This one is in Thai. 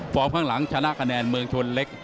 ข้างหลังชนะคะแนนเมืองชนเล็ก